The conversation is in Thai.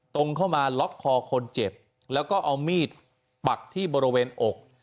ตรงเข้ามาล็อกคอคนเจ็บแล้วก็เอามีดปักที่บริเวณอก